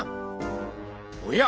おや？